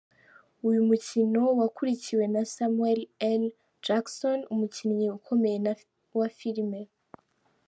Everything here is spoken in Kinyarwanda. Uyu mukino wakurikiwe na Samuel L Jackson, umukinnyi ukomeye wa filime.